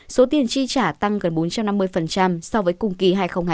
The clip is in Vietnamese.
số tiền tri trả tăng gần bốn trăm năm mươi so với cùng kỳ hai nghìn hai mươi một